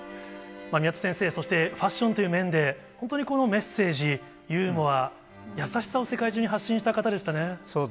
宮田先生、そしてファッションという面で、本当にこのメッセージ、ユーモア、優しさを、世界中に発そうですね。